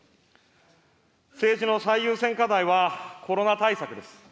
政治の最優先課題は、コロナ対策です。